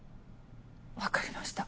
分かりました。